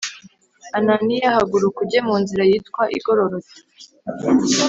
Ananiya haguruka ujye mu nzira yitwa Igororotse